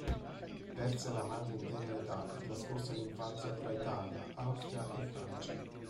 Perse la madre in tenera età e trascorse l'infanzia tra Italia, Austria e Francia.